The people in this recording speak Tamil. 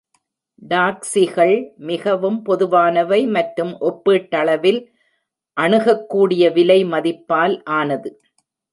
டாக்சிகள் மிகவும் பொதுவானவை மற்றும் ஒப்பீட்டளவில் அணுகக்கூடிய விலை மதிப்பால் ஆனது.